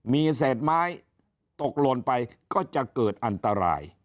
มีเศษไม้ตกหล่นไปก็จะเกิดอันตราย